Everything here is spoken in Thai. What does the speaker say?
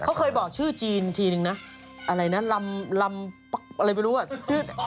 เขาเคยบอกชื่อจีนทีนึงนะอะไรนะลำลำอะไรไม่รู้อ่ะชื่อ